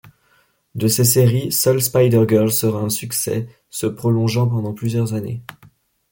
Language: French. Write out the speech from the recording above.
De ces séries, seule Spider-Girl sera un succès, se prolongeant pendant plusieurs années.